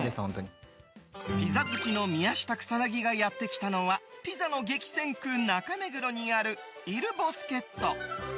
ピザ好きの宮下草薙がやってきたのはピザの激戦区・中目黒にあるイルボスケット。